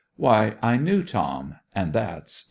Why, I knew Tom, and that's enough.